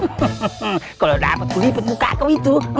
hehehe kalau dapat kulipet muka kau itu